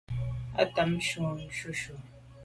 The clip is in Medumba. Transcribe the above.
Ma’ ntùm jujù.